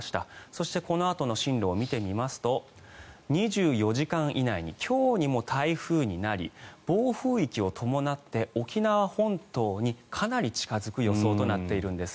そしてこのあとの進路を見てみますと２４時間以内に今日にも台風になり暴風域を伴って、沖縄本島にかなり近付く予想となっているんです。